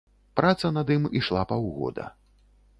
Праца над ім ішла паўгода.